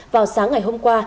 vào sáng ngày hôm qua